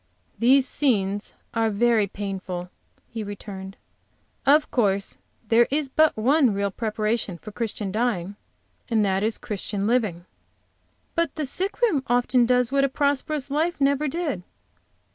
"These scenes are very painful," he returned. "Of course there is but one real preparation for Christian dying, and that is Christian living." "But the sick room often does what a prosperous life never did!"